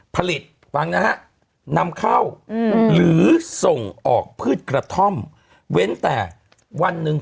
ผลิตฟังนะฮะนำเข้าหรือส่งออกพืชกระท่อมเว้นแต่วันหนึ่ง